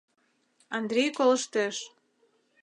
Андрий колыштеш.